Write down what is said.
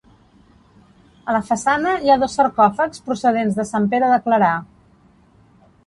A la façana hi ha dos sarcòfags procedents de Sant Pere de Clarà.